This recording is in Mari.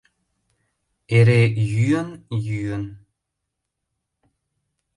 Эре йӱын, йӱын...